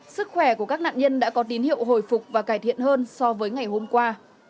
sức khỏe của các nạn nhân đã có tín hiệu hồi phục và cải thiện hơn so với ngày hôm qua